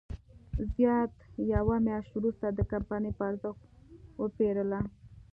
زیات یوه میاشت وروسته د کمپنۍ په ارزښت وپېرله.